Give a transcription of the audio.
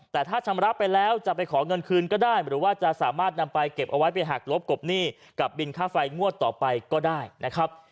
แต่ถ้าชำระไปแล้วจะไปขอเงินคืนก็ได้หรือว่าจะสามารถนำไปเก็บเอาไว้ไปหักลบกบหนี้กับบินค่าไฟงวดต่อไปก็ได้นะครับ